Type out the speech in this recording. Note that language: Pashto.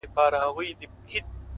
• ښايی چي لس تنه اورېدونکي به ,